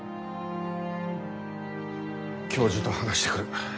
教授と話してくる。